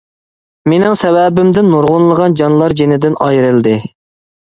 مىنىڭ سەۋەبىمدىن نۇرغۇنلىغان جانلار جىنىدىن ئايرىلدى.